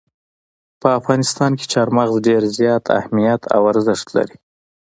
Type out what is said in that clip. په افغانستان کې چار مغز ډېر زیات اهمیت او ارزښت لري.